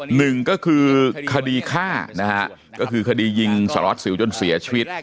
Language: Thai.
หนึ่งก็คือคดีฆ่านะฮะก็คือคดียิงสารวัสสิวจนเสียชีวิต